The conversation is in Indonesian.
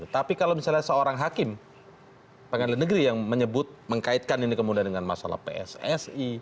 tapi kalau misalnya seorang hakim pengadilan negeri yang menyebut mengkaitkan ini kemudian dengan masalah pssi